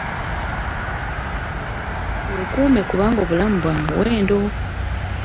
Weekuume kubanga obulamu bwa muwendo.